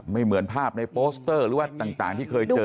เหมือนภาพในโปสเตอร์หรือว่าต่างที่เคยเจอ